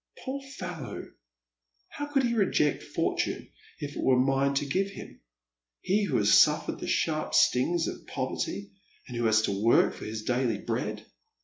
Poor fellow ! How could he reject fortune if it were mine to give him ; he, who has suffered tJie sharp stings of poverty, and who has to work for his daily bread